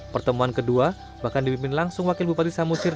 pertemuan kedua bahkan dibimbing langsung wakil bupati samusir